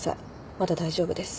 まだ大丈夫です。